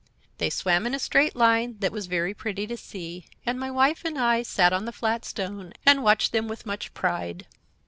They swam in a straight line that was very pretty to see, and my wife and I sat on the flat stone and watched them with much pride.